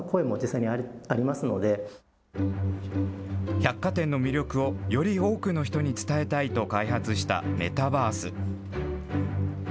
百貨店の魅力をより多くの人に伝えたいと開発したメタバース。